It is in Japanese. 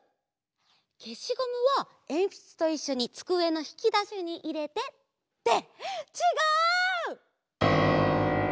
けしゴムはえんぴつといっしょにつくえのひきだしにいれて。ってちがう！